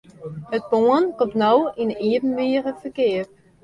It pân komt no yn 'e iepenbiere ferkeap.